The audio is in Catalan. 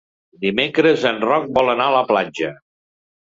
Dimecres en Roc vol anar a la platja.